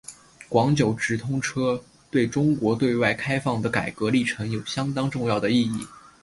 广九直通车对中国对外开放的改革历程有相当重要的意义。